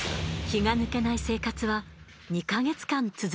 気が抜けない生活は２ヵ月間続きます。